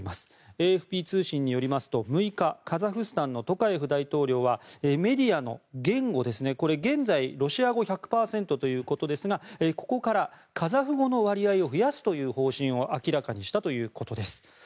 ＡＦＰ通信によりますとカザフスタンのトカエフ大統領はメディアの言語現在、ロシア語１００％ということですがここからカザフ語の割合を増やすという方針を明らかにしたということです。